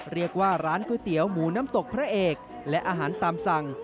เรียกว่าร้านก๋วยเตี๋ยวหมูน้ำตกพระเอกและอาหารตามสั่ง